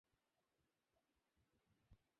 আমরা রাজরাজের সামনে আসবার চেষ্টা করছি।